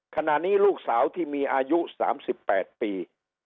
ขณะนี้ลูกสาวที่มีอายุ๓๘ปี